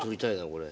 これ。